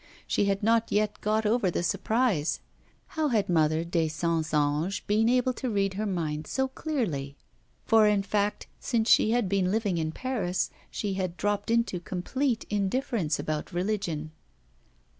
She had not yet got over the surprise. How had Mother des Saints Anges been able to read her mind so clearly? For, in fact, since she had been living in Paris she had dropped into complete indifference about religion.